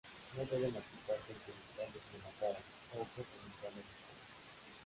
No debe aplicarse en genitales ni en la cara, ojos o membranas mucosas.